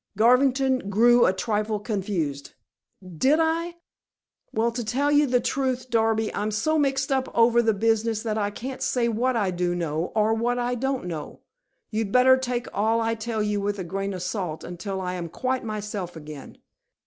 Garvington grew a trifle confused. "Did I? Well, to tell you the truth, Darby, I'm so mixed up over the business that I can't say what I do know, or what I don't know. You'd better take all I tell you with a grain of salt until I am quite myself again."